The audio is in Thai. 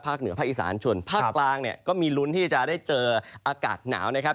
เหนือภาคอีสานส่วนภาคกลางเนี่ยก็มีลุ้นที่จะได้เจออากาศหนาวนะครับ